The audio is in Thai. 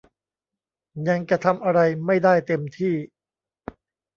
ยังจะทำอะไรไม่ได้เต็มที่